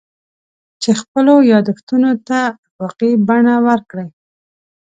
چې خپلو یادښتونو ته افاقي بڼه ورکړي.